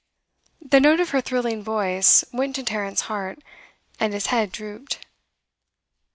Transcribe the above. The note of her thrilling voice went to Tarrant's heart, and his head drooped.